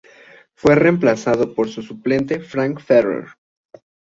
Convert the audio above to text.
Fue reemplazado por su suplente Frank Ferrer.